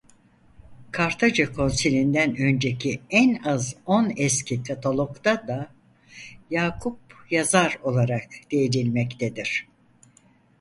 Kartaca Konsili'nden önceki en az on eski katalogda da Yakup yazar olarak değinilmektedir.